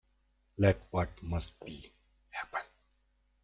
Let what must be, happen.